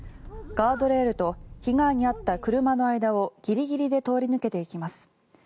ガードレールと被害に遭った車の間をギリギリで通り抜けていきます。